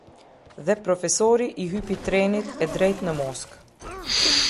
Dhe profesori i hypi trenit e drejt në Moskë.